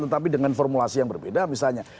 tetapi dengan formulasi yang berbeda misalnya